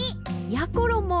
やころも